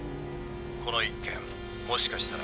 この一件もしかしたら。